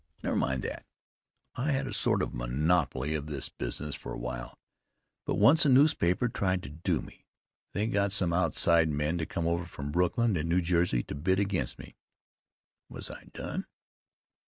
Never mind that. I had a sort of monopoly of this business for a while, but once a newspaper tried to do me. It got some outside men to come over from Brooklyn and New Jersey to bid against me. Was I done?